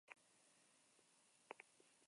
Orduan, erasotzaileak alde egin zuen.